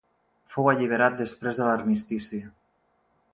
Fou alliberat després de l'Armistici.